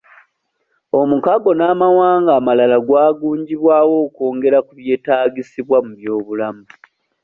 Omukago n'amawanga amalala zagunjibwawo okwongera ku byetaagisibwa mu by'obulamu.